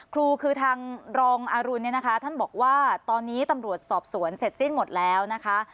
ครูคือทางรองอรุณเนี่ยนะคะท่านบอกว่าตอนนี้ตำรวจสอบสวนเสร็จสิ้นหมดแล้วนะคะ